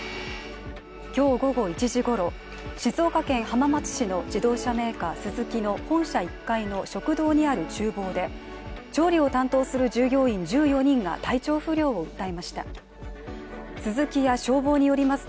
今日午後１時ごろ、静岡県浜松市の自動車メーカー、スズキの本社１階の食堂にあるちゅう房で調理を担当する従業員１４人が体調不良を訴えました。